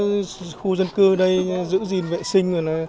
cũng tạo hiệu ứng cho những khu dân cư ở đây giữ gìn vệ sinh